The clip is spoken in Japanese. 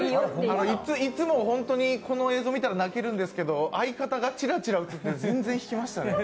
いつもホントにこの映像を見たら泣けるんですけど相方がちらちら映って、全然引きましたね。